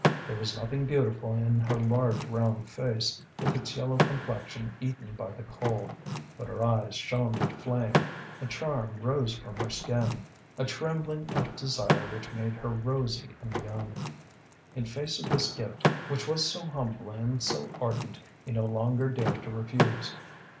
There was nothing beautiful in her large round face, with its yellow complexion eaten by the coal; but her eyes shone with flame, a charm rose from her skin, a trembling of desire which made her rosy and young. In face of this gift which was so humble and so ardent he no longer dared to refuse.